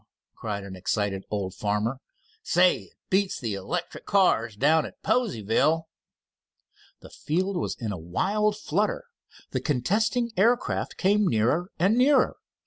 cried an excited old farmer. "Say, it beats the electric cars down at Poseyville!" The field was in a wild flutter. The contesting aircraft came nearer and nearer.